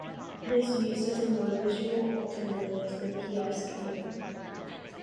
It is used as a more visual alternative to the ps command.